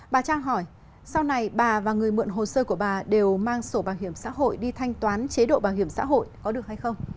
bà trang hỏi sau này bà và người mượn hồ sơ của bà đều mang sổ bảo hiểm xã hội đi thanh toán chế độ bảo hiểm xã hội có được hay không